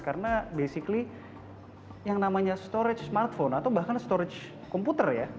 karena basically yang namanya storage smartphone atau bahkan storage komputer ya